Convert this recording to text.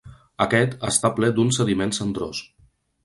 Aquest, està ple d’un sediment cendrós.